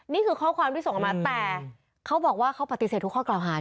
นี่คือข้อความที่ส่งมาแต่เขาบอกว่าเขาปฏิเสธทุกข้อคราวหาใช่ไหมคะ